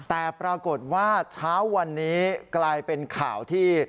แต่ปรากฏว่าเช้าวันนี้กลายเป็นข่าวที่